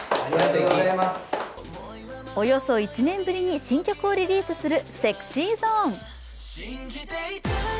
およそ１年ぶりに新曲をリリースするＳｅｘｙＺｏｎｅ。